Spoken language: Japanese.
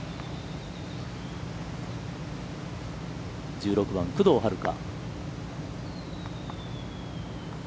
１６番、工藤遥加。